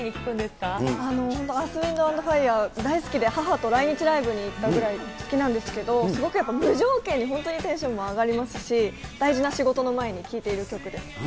本当、アース・ウィンド・アンド・ファイアー、大好きで、母と来日ライブに行ったぐらい好きなんですけど、すごくやっぱ無条件に本当にテンションも上がりますし、大事な仕事の前に聴いている曲です。